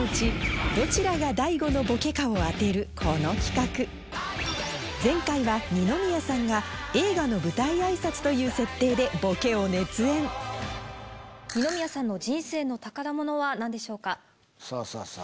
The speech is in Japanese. この企画前回は二宮さんが映画の舞台挨拶という設定でボケを熱演二宮さんの人生の宝物は何でしょうか？